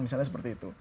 misalnya seperti itu